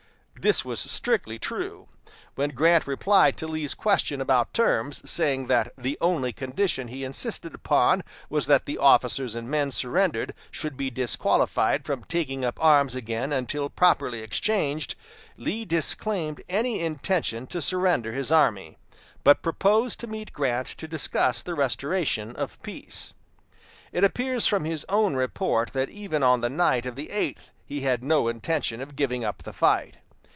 This was strictly true. When Grant replied to Lee's question about terms, saying that the only condition he insisted upon was that the officers and men surrendered should be disqualified from taking up arms again until properly exchanged, Lee disclaimed any intention to surrender his army, but proposed to meet Grant to discuss the restoration of peace. It appears from his own report that even on the night of the eighth he had no intention of giving up the fight.